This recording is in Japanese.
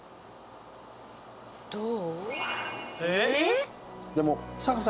どう？